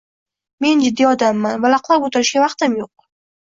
Men jiddiy odamman, valaqlab o‘tirishga vaqtim yo‘q!